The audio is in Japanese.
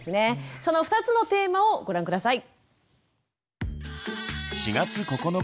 その２つのテーマをご覧下さい。